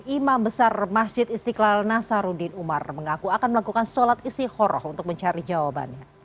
imam besar masjid istiqlal nasaruddin umar mengaku akan melakukan sholat istiqoroh untuk mencari jawabannya